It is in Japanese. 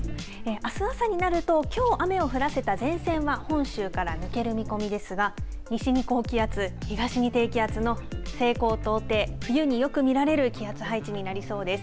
あす朝になるときょう雨を降らせた前線は本州から抜ける見込みですが西に高気圧、東に低気圧の西高東低、冬によく見られる気圧配置になりそうです。